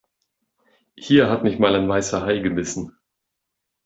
Hier hat mich mal ein Weißer Hai gebissen.